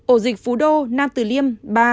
ổ dịch phú đô nam từ liêm ba